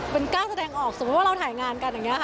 เป็นกล้าแสดงออกสมมุติว่าเราถ่ายงานกันอย่างนี้ค่ะ